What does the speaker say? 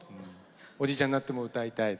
「おじいちゃんになっても歌いたい」。